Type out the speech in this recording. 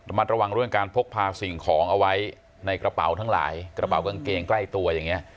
มัดระวังเรื่องการพกพาสิ่งของเอาไว้ในกระเป๋าทั้งหลายกระเป๋ากางเกงใกล้ตัวอย่างนี้